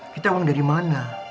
kita uang dari mana